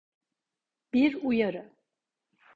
Bir uyarı.